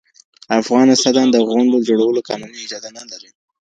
افغان استادان د غونډو جوړولو قانوني اجازه نه لري.